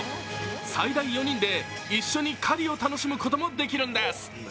最大４人で一緒に狩りを楽しむこともできるんです。